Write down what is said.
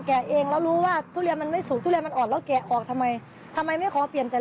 แกะแบบไม่สวยอะมีหลักทาน